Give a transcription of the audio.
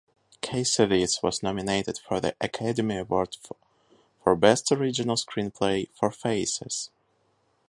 Cassavetes was nominated for the Academy Award for Best Original Screenplay for "Faces".